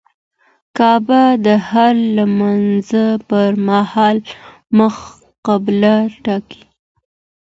کعبه د هر لمونځه پر مهال مخ قبله ټاکي.